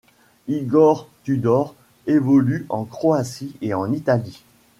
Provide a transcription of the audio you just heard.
Igor Tudor évolue en Croatie et en Italie.